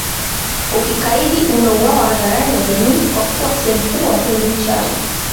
Ukikaidi unauwawa hadharani na jamii kwa kuwa sehemu kubwa hawapendi uchawi